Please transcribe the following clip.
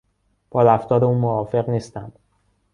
با رفتار او موافق نیستم.